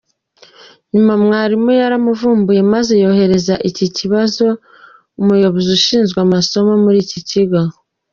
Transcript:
Nyuma Mwalimu yaramuvumbuye maze yoherereza iki kibazo Umuyobozi ushinzwe amasomo muri iki kigo.